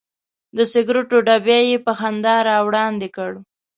د سګرټو ډبی یې په خندا راوړاندې کړ.